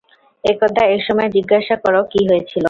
একদা এক সময় জিজ্ঞাসা কর কী হয়েছিল?